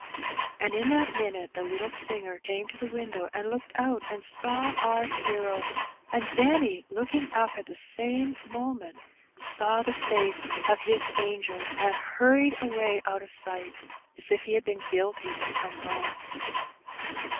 And in that minute the little singer came to the window and looked out and saw our hero; and Benny, looking up at the same moment, saw the face of his 140 Heb Bennt. €€ angel^ and hurried away out of sights as if he had been gpiilty of some wrong.